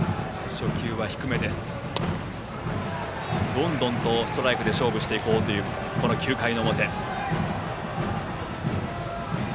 どんどんとストライクで勝負しようという９回表。